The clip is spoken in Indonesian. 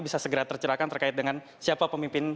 bisa segera tercerahkan terkait dengan siapa pemimpin